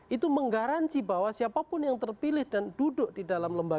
itu menggaransi bahwa siapapun yang terpilih dan duduk di dalam lembaga